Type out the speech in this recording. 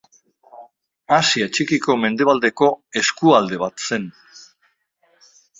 Asia Txikiko mendebaldeko eskualde bat zen.